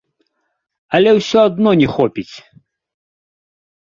Але ўсё адно не хопіць!